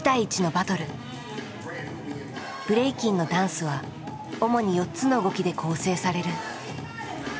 ブレイキンのダンスは主に４つの動きで構成される。